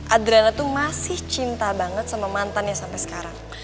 adriana tuh masih cinta banget sama mantannya sampe sekarang